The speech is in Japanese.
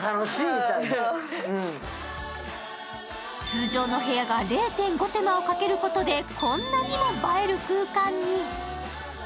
通常の部屋が０．５手間をかけることで、こんなにも映える空間に。